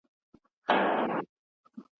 حکومت پټ قرارداد نه عملي کوي.